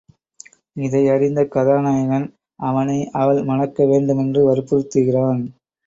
இதை அறிந்த கதா நாயகன் அவனை அவள் மணக்க வேண்டுமென்று வற்புறுத்துகிறான்.